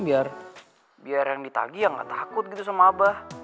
biar yang ditagi yang gak takut gitu sama abah